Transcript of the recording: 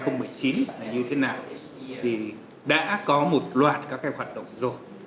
năm hai nghìn một mươi chín là như thế nào thì đã có một loạt các cái hoạt động rồi